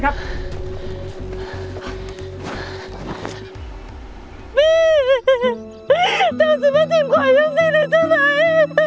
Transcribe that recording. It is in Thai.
จะซื้อมาจีบขวะอย่างซีนในช่วงไหน